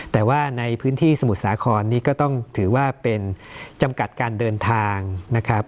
แต่ว่าในพื้นที่สมุทรสาครนี้ก็ต้องถือว่าเป็นจำกัดการเดินทางนะครับ